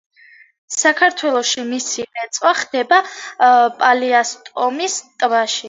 საქართველოში მისი რეწვა ხდება პალიასტომის ტბაში.